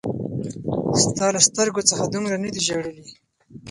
ستا له سترګو څخه دومره نه دي ژړلي